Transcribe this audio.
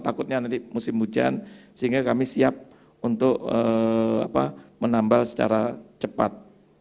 takutnya nanti musim hujan sehingga kami siap untuk menambah secara cepat